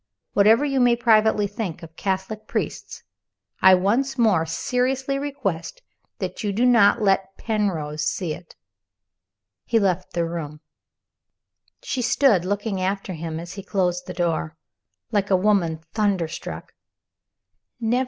Whatever you may privately think of Catholic priests, I once more seriously request you not to let Penrose see it." He left the room. She stood, looking after him as he closed the door, like a woman thunderstruck.